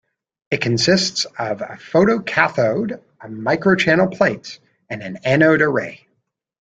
It consists of a photocathode, a microchannel plate, and an anode array.